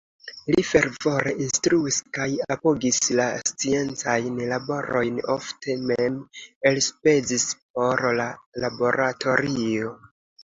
Li fervore instruis kaj apogis la sciencajn laborojn, ofte mem elspezis por la laboratorio.